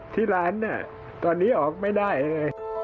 ที่ร้านเนี่ยตอนนี้ออกไม่ได้เลย